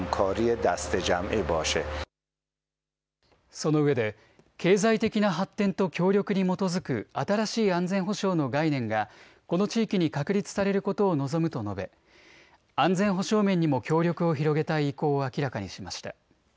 そのうえで経済的な発展と協力に基づく新しい安全保障の概念がこの地域に確立されることを望むと述べ安全保障面にも協力を広げたい意向を明らかにしました。